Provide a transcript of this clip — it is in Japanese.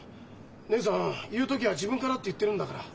義姉さん「言う時は自分から」って言ってるんだから。